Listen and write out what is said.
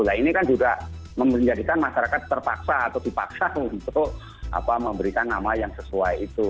nah ini kan juga menjadikan masyarakat terpaksa atau dipaksa untuk memberikan nama yang sesuai itu